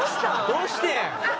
どうしてん！？